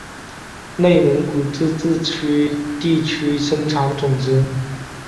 内蒙古自治区地区生产总值